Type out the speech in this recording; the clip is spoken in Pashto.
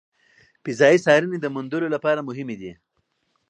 فضایي څارنې د موندلو لپاره مهمې دي.